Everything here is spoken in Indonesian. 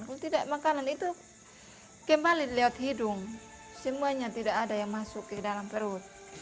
kalau tidak makanan itu kembali lewat hidung semuanya tidak ada yang masuk ke dalam perut